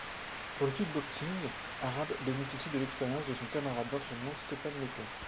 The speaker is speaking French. Pour le kick-boxing, Arrab bénéficie de l'expérience de son camarade d'entraînement Stefan Leko.